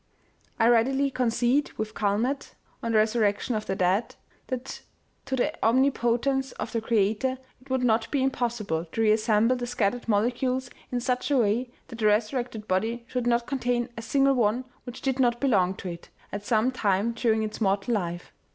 I readily concede with Calmet (on the resurrection of the dead) that to the omnipotence of the Creator it would not be impossible to reassemble the scattered molecules in such a way that the resurrected body should not contain a single one which did not belong to it at some time during its mortal life.